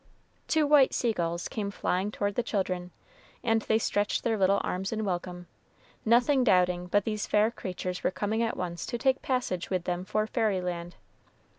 Two white sea gulls came flying toward the children, and they stretched their little arms in welcome, nothing doubting but these fair creatures were coming at once to take passage with them for fairy land.